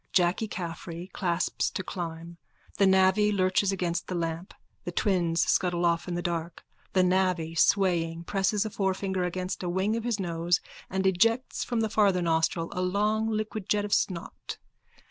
Jacky Caffrey clasps to climb. The navvy lurches against the lamp. The twins scuttle off in the dark. The navvy, swaying, presses a forefinger against a wing of his nose and ejects from the farther nostril a long liquid jet of snot.